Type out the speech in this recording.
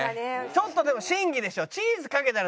ちょっとでも審議でしょ。